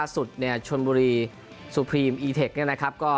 สุดโชนบุรีสุพรีมอีเทค